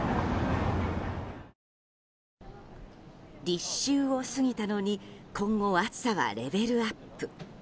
立秋を過ぎたのに今後、暑さはレベルアップ。